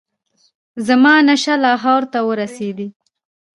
زمانشاه لاهور ته ورسېدی.